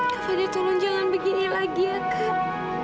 kak fadil tolong jangan begini lagi ya kak